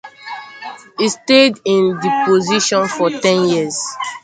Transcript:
He stayed in this position for ten years.